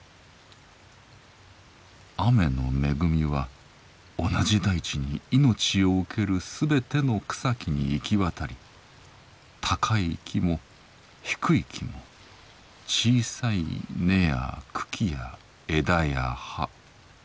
雨の恵みは同じ大地にいのちを受けるすべての草木に行き渡り高い木も低い木も小さい根や茎や枝や葉中ほどの根や茎や枝や葉